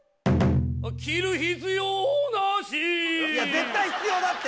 ・絶対必要だって！